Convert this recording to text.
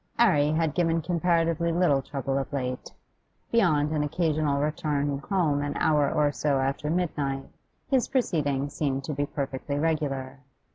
'Arry had given comparatively little trouble of late; beyond an occasional return home an hour or so after midnight, his proceedings seemed to be perfectly regular.